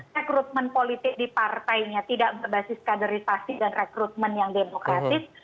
rekrutmen politik di partainya tidak berbasis kaderisasi dan rekrutmen yang demokratis